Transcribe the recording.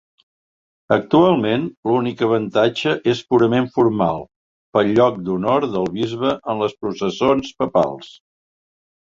Actualment, l'únic avantatge és purament formal, pel lloc d'honor del bisbe en les processons papals.